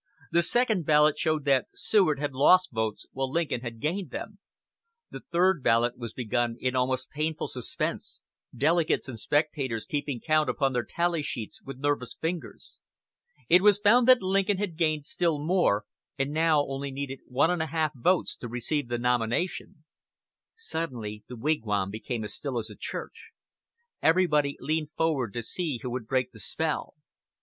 The second ballot showed that Seward had lost votes while Lincoln had gained them. The third ballot was begun in almost painful suspense, delegates and spectators keeping count upon their tally sheets with nervous fingers. It was found that Lincoln had gained still more, and now only needed one and a half votes to receive the nomination. Suddenly the Wigwam became as still as a church. Everybody leaned forward to see who would break the spell.